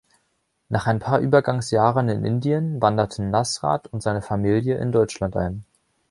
Nach ein paar Übergangsjahren in Indien wanderten Nasrat und seine Familie in Deutschland ein.